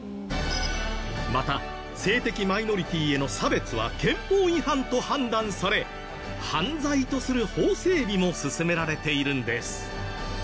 また性的マイノリティーへの差別は憲法違反と判断され犯罪とする法整備も進められているんです。